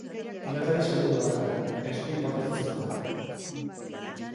Pilotari segurua da, eskuin bortitzekoa.